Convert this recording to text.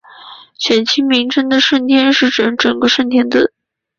选区名称的顺天是指整个顺天邨。